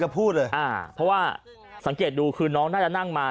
เพราะว่าสังเกตดูคือน้องน่าจะนั่งมา